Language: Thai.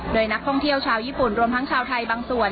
โดยนักท่องเที่ยวชาวญี่ปุ่นรวมทั้งชาวไทยบางส่วน